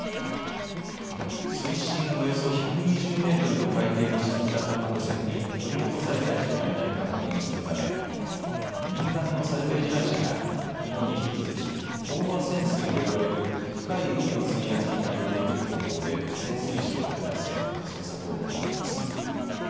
水深およそ１２０メートルの海底に沈んだ観光船に取り残された人がいないか確認するため民間のサルベージ会社がきのうに引き続き飽和潜水と呼ばれる深い海の水圧に対応できる方法で潜水士を潜らせ捜索を行っています。